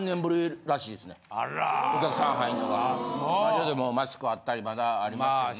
それでもマスクあったりまだありますけどね。